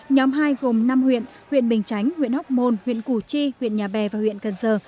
nhóm hai gồm năm huyện huyện bình chánh huyện hóc môn huyện củ chi huyện nhà bè và huyện cần giờ